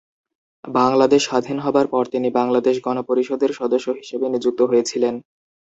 বাংলাদেশ স্বাধীন হবার পর তিনি বাংলাদেশ গণপরিষদের সদস্য হিসেবে নিযুক্ত হয়েছিলেন।